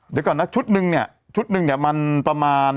๗๑๗๒เดี๋ยวก่อนนะชุดหนึ่งเนี่ยมันประมาณ